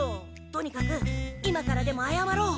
とにかく今からでもあやまろう。